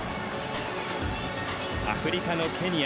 アフリカのケニア。